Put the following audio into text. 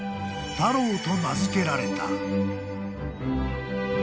［と名付けられた］